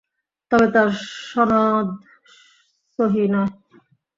তবে তার সনদ সহীহ নয়।